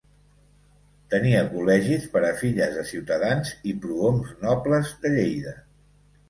Tenia col·legis per a filles de ciutadans i prohoms nobles de Lleida.